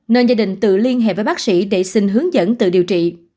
nên gia đình tự liên hệ với bác sĩ để xin hướng dẫn tự điều trị